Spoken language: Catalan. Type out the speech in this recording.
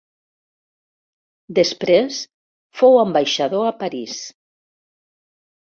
Després fou ambaixador a París.